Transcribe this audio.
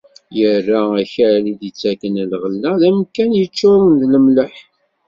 Irra akal i d-ittaken lɣella d amkan yeččuren d lemleḥ.